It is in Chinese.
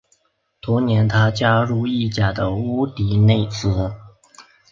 同年他加入意甲的乌迪内斯。